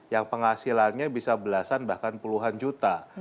yang penghasilannya bisa belasan bahkan puluhan juta